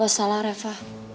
lo salah reva